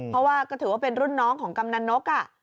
เพราะว่าก็ถือว่าเป็นรุ่นน้องของกำนันนก